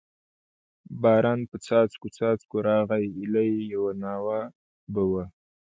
باران په څاڅکو څاڅکو راغی، ایله یوه ناوه به و.